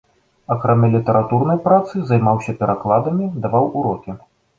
Акрамя літаратурнай працы займаўся перакладамі, даваў урокі.